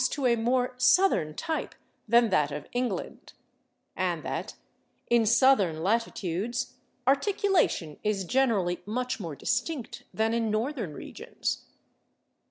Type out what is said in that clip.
to a more Southern type than that of England," and that "in Southern latitudes ... articulation is generally much more distinct than in Northern regions."